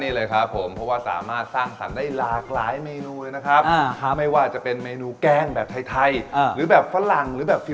นี้เลยครับผมความว่าสามารถสร้างฐานได้หลากหลายเมนูด้วยนะครับ